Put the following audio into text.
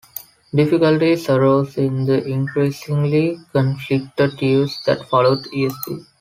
Difficulties arose in the increasingly conflicted years that followed, esp.